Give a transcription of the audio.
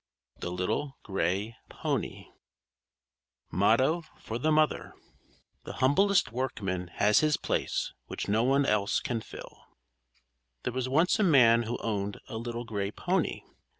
THE LITTLE GRAY PONY MOTTO FOR THE MOTHER The humblest workman has his place, Which no one else can fill. There was once a man who owned a little gray pony.